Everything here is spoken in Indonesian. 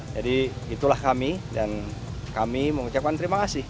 jadi itulah kami dan kami mengucapkan terima kasih